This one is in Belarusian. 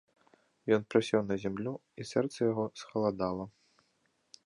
Ён прысеў на зямлю, і сэрца яго схаладала.